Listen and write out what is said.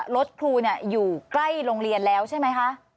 รถครูอยู่ใกล้โรงเรียนแล้วใช่ไหมคะ